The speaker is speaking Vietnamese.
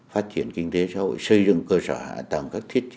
phát triển kinh tế cho hội xây dựng cơ sở hạ tầm các thiết chế